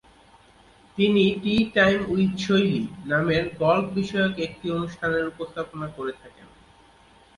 তিনি "tee time with Shaili" নামে golf বিষয়ক একটি অনুষ্ঠানের উপস্থাপনা করে থাকেন।